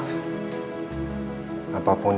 kalian yang merujukin